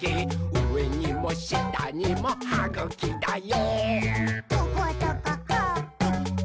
うえにもしたにもはぐきだよ！」